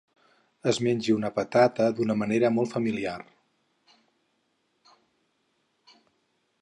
Es mengi una patata d'una manera molt familiar.